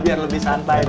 biar lebih santai doi